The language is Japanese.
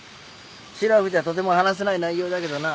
シラフじゃとても話せない内容だけどな。